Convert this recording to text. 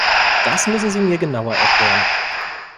Das müssen Sie mir genauer erklären.